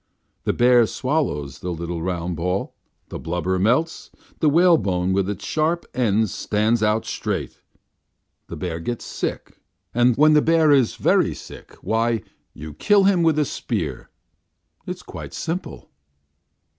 The bear swallows the little round ball, the blubber melts, the whalebone with its sharp ends stands out straight, the bear gets sick, and when the bear is very sick, why, you kill him with a spear. It is quite simple."